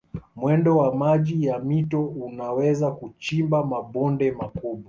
Mwendo wa maji ya mito unaweza kuchimba mabonde makubwa.